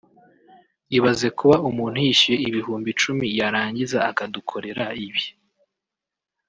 Ibaze kuba umuntu yishyuye ibihumbi icumi yarangiza akadukorera ibi